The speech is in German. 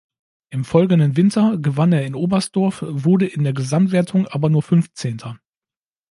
Im folgenden Winter gewann er in Oberstdorf, wurde in der Gesamtwertung aber nur Fünfzehnter.